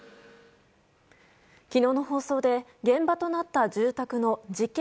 昨日の放送で現場となった住宅の事件